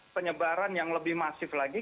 penyebaran yang lebih masif lagi